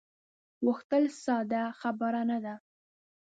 غوښتل ساده خبره نه ده.